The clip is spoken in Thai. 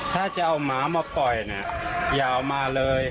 ถ้าจะเอาหมามาปล่อยเนี่ยอย่าเอามาเลย